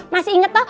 masih inget toh